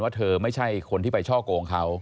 เธอไม่ใช่คนที่ไปช่อโกงเขา